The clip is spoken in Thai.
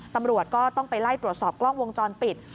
ตำรวจก็ต้องไปไล่ตรวจสอบกล้องวงจรปิด